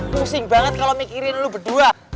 pusing banget kalo mikirin lo berdua